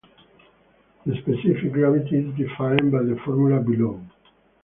The specific gravity is defined by the formula below.